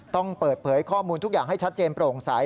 ต้องเปิดเผยข้อมูลทุกอย่างให้ชัดเจนโปร่งใส